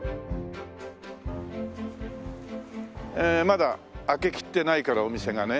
まだ開けきってないからお店がね。